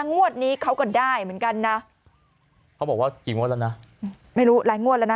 งวดนี้เขาก็ได้เหมือนกันนะเขาบอกว่ากี่งวดแล้วนะไม่รู้หลายงวดแล้วนะ